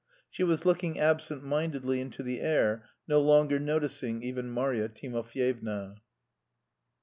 She was looking absent mindedly into the air, no longer noticing even Marya Timofyevna.